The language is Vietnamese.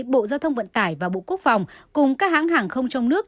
bộ giao thông vận tải và bộ quốc phòng cùng các hãng hàng không trong nước